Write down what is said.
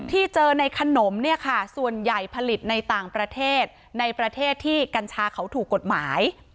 ที่เจอในขนมเนี่ยค่ะส่วนใหญ่ผลิตในต่างประเทศในประเทศที่กัญชาเขาถูกกฎหมาย